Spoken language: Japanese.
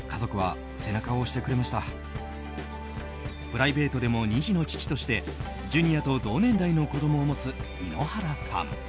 プライベートでも２児の父としてジュニアと同年代の子供を持つ井ノ原さん。